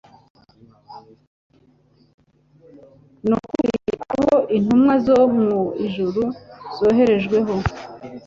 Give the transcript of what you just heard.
Ni kuri abo intumwa zo mu ijuru zoherejweho'.